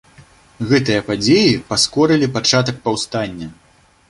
Гэтыя падзеі паскорылі пачатак паўстання.